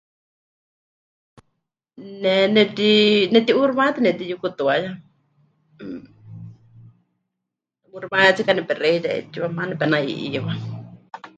Ne neti... neti'uuximayátɨ nepɨtiyukutuaya, mmm, 'uuximayátsika nepexeiya 'eetsiwa, maana nepena'i'iiwa.